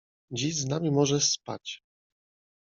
Dziś z nami możesz spać.